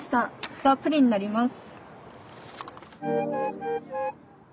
スタープリンになります。